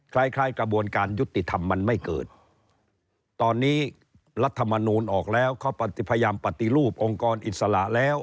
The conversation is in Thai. คล้ายคล้ายกระบวนการยุติธรรมมันไม่เกิดตอนนี้รัฐมนูลออกแล้วเขาปฏิพยายามปฏิรูปองค์กรอิสระแล้ว